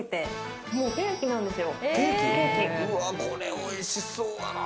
うわ、これおいしそうやなぁ。